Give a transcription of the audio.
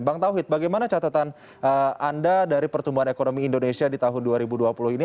bang tauhid bagaimana catatan anda dari pertumbuhan ekonomi indonesia di tahun dua ribu dua puluh ini